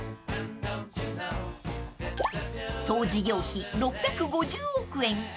［総事業費６５０億円